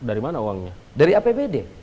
dari mana uangnya dari apbd